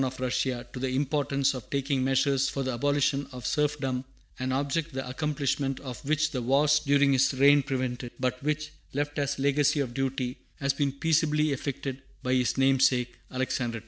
of Russia to the importance of taking measures for the abolition of serfdom, an object the accomplishment of which the wars during his reign prevented, but which, left as a legacy of duty, has been peaceably effected by his namesake, Alexander II.